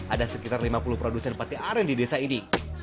ada sekitar lima puluh produsen pate aren di desa ini